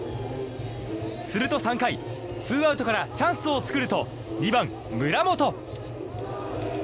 すると３回ツーアウトからチャンスを作ると２番、村本。